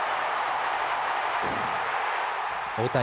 大谷。